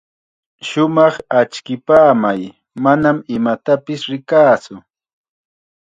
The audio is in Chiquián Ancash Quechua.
Shumaq achkipamay, manam imatapis rikaatsu.